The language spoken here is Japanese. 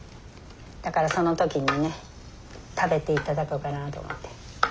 だからその時にね食べて頂こうかなと思って。